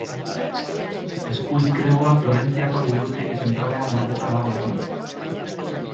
Eskuizkribua Florentziako Liburutegi zentralean gordeta dago egun.